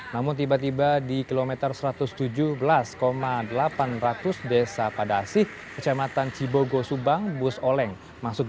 namun tiba tiba di kilometer satu ratus tujuh belas delapan ratus desa pada asih kecamatan cibogo subang bus oleng masuk